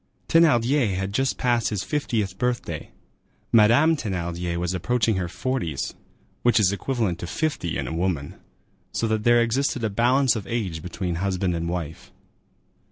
Thénardier had just passed his fiftieth birthday; Madame Thénardier was approaching her forties, which is equivalent to fifty in a woman; so that there existed a balance of age between husband and wife.